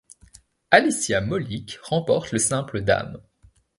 Alicia Molik remporte le simple dames.